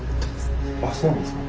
あっそうなんですか。